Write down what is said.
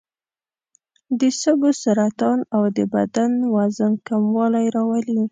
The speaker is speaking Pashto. د سږو سرطان او د بدن وزن کموالی راولي.